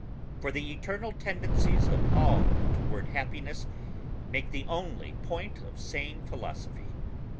For the eternal tendencies of all toward happiness make the only point of sane philosophy.